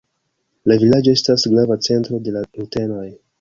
La vilaĝo estas grava centro de la rutenoj.